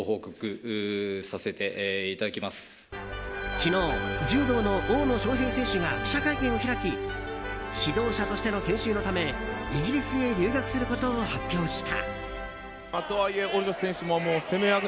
昨日、柔道の大野将平選手が記者会見を開き指導者としての研修のためイギリスへ留学することを発表した。